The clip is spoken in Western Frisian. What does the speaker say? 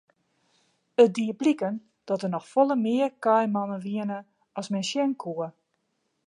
It die bliken dat der noch folle mear kaaimannen wiene as men sjen koe.